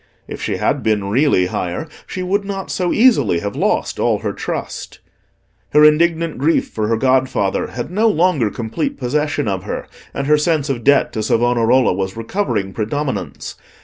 If she had been really higher, she would not so easily have lost all her trust. Her indignant grief for her godfather had no longer complete possession of her, and her sense of debt to Savonarola was recovering predominance.